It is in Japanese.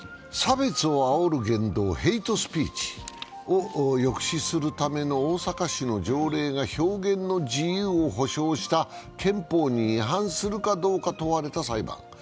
差別をあおる言動、ヘイトスピーチを抑止するための大阪市の条例が表現の自由を保障した憲法に違反するかどうか問われた裁判。